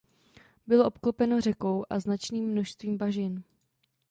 Bylo obklopeno řekou a značným množstvím bažin.